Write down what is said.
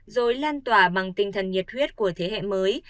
rồi lan tỏa bằng tinh thần nhiệt huyết của thế hệ mới